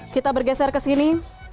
kita bergeser ke sini